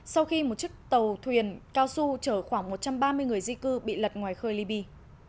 sau khi một chiếc tàu thuyền cao su chở khoảng một trăm ba mươi người di cư bị lật ngoài khơi liby